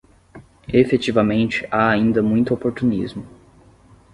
Efetivamente, há ainda muito oportunismo